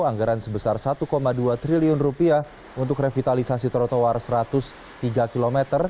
anggaran sebesar satu dua triliun rupiah untuk revitalisasi trotoar satu ratus tiga km